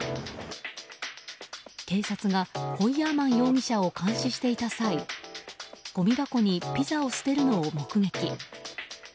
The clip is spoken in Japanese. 警察がホイヤーマン容疑者を監視していた際ごみ箱にピザを捨てるのを目撃。